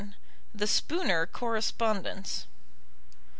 THE SPOONER CORRESPONDENCE.